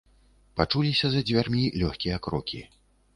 Пачуліся за дзвярмі лёгкія крокі.